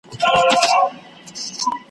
دا اجمل اجمل نسلونه ,